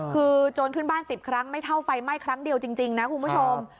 คือโจรขึ้นบ้าน๑๐ครั้งไม่เท่าไฟไหม้ครั้งเดียวจริงนะคุณผู้ชม